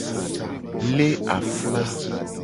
Le afla.